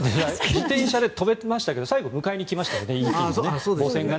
自転車で飛べましたけど最後、母船が迎えに来ましたけどね。